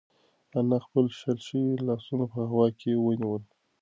انا خپل شل شوي لاسونه په هوا کې ونیول.